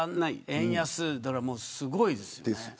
円安だから、すごいですよね。